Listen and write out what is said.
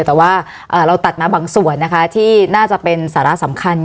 แต่ว่าเราตัดมาบางส่วนนะคะที่น่าจะเป็นสาระสำคัญ